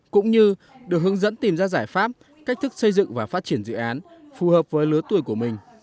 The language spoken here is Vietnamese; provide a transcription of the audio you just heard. cũng như được hướng dẫn tìm ra giải pháp cách thức xây dựng và phát triển dự án phù hợp với lứa tuổi của mình